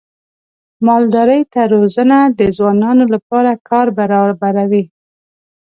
مالدارۍ ته روزنه د ځوانانو لپاره کار برابروي.